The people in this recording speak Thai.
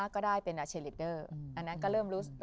ก็ได้เป็นเชอร์ลีดเดอร์